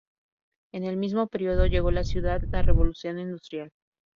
En el mismo período llegó a la ciudad la Revolución Industrial.